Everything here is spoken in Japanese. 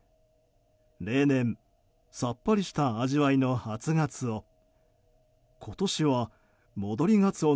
例年さっぱりした味わいの初ガツオ。